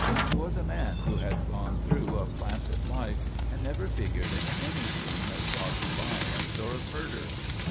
He was a man who had gone through a placid life and never figured in any scene of shocking violence or of murder.